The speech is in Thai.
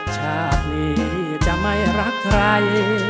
ชาตินี้จะไม่รักใคร